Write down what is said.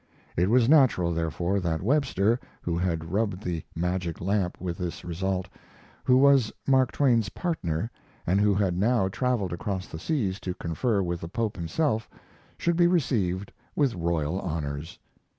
It was natural, therefore, that Webster, who had rubbed the magic lamp with this result, who was Mark Twain's partner, and who had now traveled across the seas to confer with the Pope himself, should be received with royal honors.